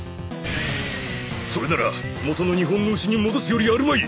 それならもとの日本の牛に戻すよりあるまい！